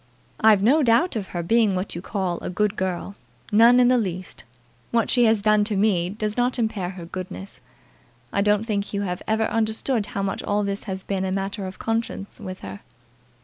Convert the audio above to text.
"I've no doubt of her being what you call a good girl, none in the least. What she has done to me does not impair her goodness. I don't think you have ever understood how much all this has been a matter of conscience with her."